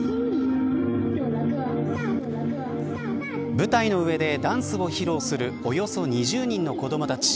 舞台の上でダンスを披露するおよそ２０人の子どもたち。